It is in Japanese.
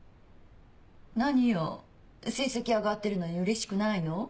何よ成績上がってるのにうれしくないの？